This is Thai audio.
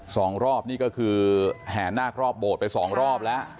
สองรอบนี่ก็คือแห่นาครอบโบสถ์ไปสองรอบแล้ว